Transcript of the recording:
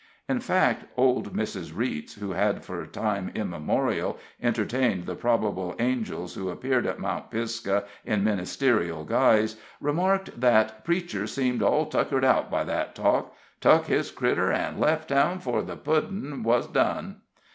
In fact, old Mrs. Reets, who had for time immemorial entertained the probable angels who appeared at Mount Pisgah in ministerial guise, remarked that "preacher seemed all tuckered out by that talk; tuk his critter, an' left town 'fore the puddin' was done."